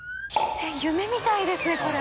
えっ夢みたいですねこれ。